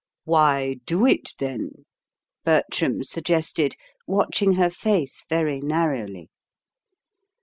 "Why do it, then?" Bertram suggested, watching her face very narrowly.